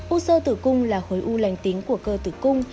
u sơ tử cung là khối u lành tính của cơ tử cung